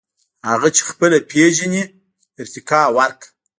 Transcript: • هغه چې خپله پېژنې، ارتقاء ورکړه.